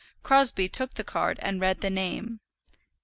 Crosbie took the card and read the name.